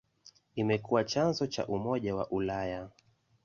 Imekuwa chanzo cha Umoja wa Ulaya.